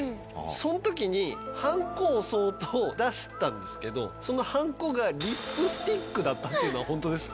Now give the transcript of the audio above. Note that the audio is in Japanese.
そん時にハンコを押そうと出したんですけどそのハンコがリップスティックだったってのはホントですか？